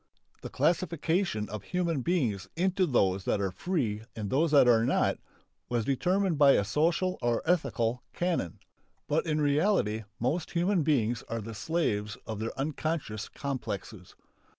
The classification of human beings into those that are free and those that are not was determined by a social or ethical canon. But in reality most human beings are the slaves of their unconscious complexes.